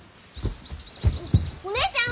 お姉ちゃん